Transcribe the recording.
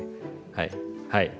はいはい。